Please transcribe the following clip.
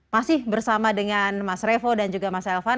masih bersama dengan mas revo dan juga mas elvan